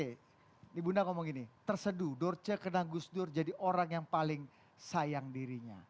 ini bunda ngomong gini terseduh dorce kenal gus dur jadi orang yang paling sayang dirinya